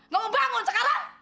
gak mau bangun sekarang